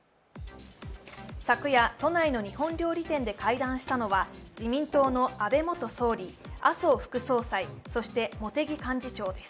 昨夜、都内の日本料理店で会談したのは安倍元総理、麻生副総裁、そして茂木幹事長です。